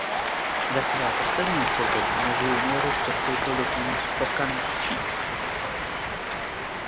Ve své poslední sezóně mezi juniory přestoupil do týmu Spokane Chiefs.